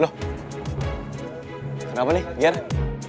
loh kenapa nih gimana